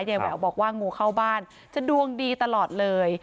แหววบอกว่างูเข้าบ้านจะดวงดีตลอดเลย